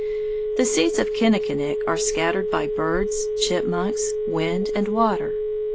The seeds of Kinnikinick are scattered by birds, chipmunks, wind, and water.